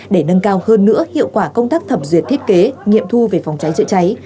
để nâng cao hơn nữa hiệu quả công tác thẩm duyệt thiết kế nghiệm thu về phòng cháy chữa cháy